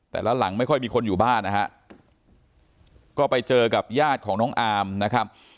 หลังไม่ค่อยมีคนอยู่บ้านนะฮะก็ไปเจอกับญาติของน้องอามนะครับ